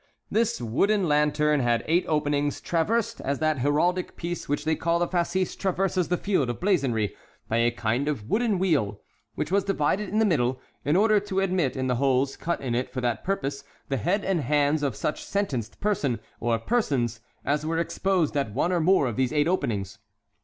This wooden lantern had eight openings, traversed, as that heraldic piece which they call the fascis traverses the field of blazonry, by a kind of wooden wheel, which was divided in the middle, in order to admit in the holes cut in it for that purpose the head and hands of such sentenced person or persons as were exposed at one or more of these eight openings.